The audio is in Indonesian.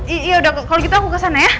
iya udah kalau gitu aku kesana ya